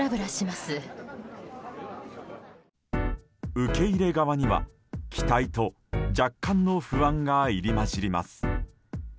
受け入れ側には期待と若干の不安が入り交じります。